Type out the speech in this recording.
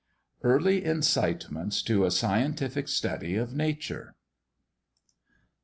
EARLY INCITEMENTS TO A SCIENTIFIC STUDY OF NATURE.